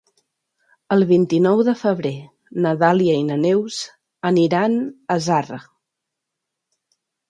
El vint-i-nou de febrer na Dàlia i na Neus aniran a Zarra.